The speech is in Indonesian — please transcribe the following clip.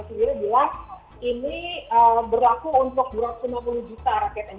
dia bilang ini berlaku untuk dua ratus lima puluh juta rakyat indonesia